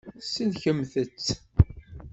Sellkemt-tt.